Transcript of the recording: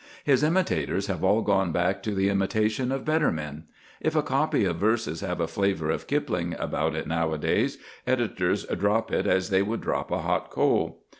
His imitators have all gone back to the imitation of better men. If a copy of verses have a flavour of Kipling about it nowadays, editors drop it as they would drop a hot coal.